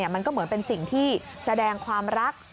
มันก็เหมือนเป็นสิ่งที่แสดงความรัก